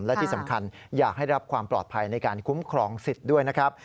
และที่สำคัญอยากให้รับความปลอดภัยในการคุ้มครองสิทธิ์ด้วยนะครับ